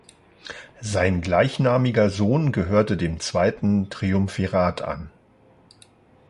Sein gleichnamiger Sohn gehörte dem zweiten Triumvirat an.